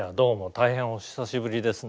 大変お久しぶりですね」